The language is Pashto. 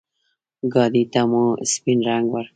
ګاډي ته مو سپين رنګ ورکړ.